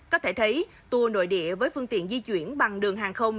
có thể thấy tour nội địa với phương tiện di chuyển bằng đường hàng không